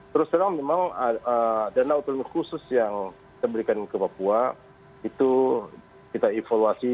terus sekarang memang dana otonomi khusus yang diberikan ke papua itu kita informasikan